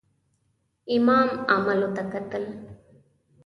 امام عملو ته کتل.